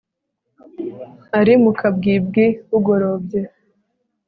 Ari mu kabwibwi bugorobye